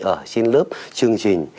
ở trên lớp chương trình